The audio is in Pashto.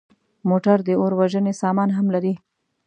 موټر د اور وژنې سامان هم لري.